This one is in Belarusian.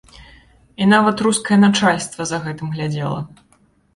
І нават рускае начальства за гэтым глядзела.